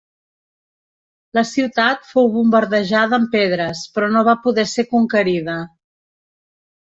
La ciutat fou bombardejada amb pedres però no va poder ser conquerida.